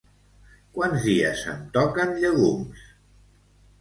Quants dies em toquen llegums?